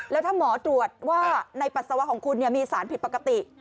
แล้วถ้าหมอตรวจว่าในปัสสาวะของคุณมีสารผิดปกติ